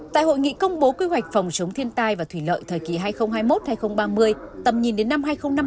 tại hội nghị công bố quy hoạch phòng chống thiên tai và thủy lợi thời kỳ hai nghìn hai mươi một hai nghìn ba mươi tầm nhìn đến năm hai nghìn năm mươi